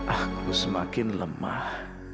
aku semakin lemah